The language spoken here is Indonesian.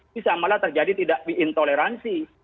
bisa malah terjadi tidak diintoleransi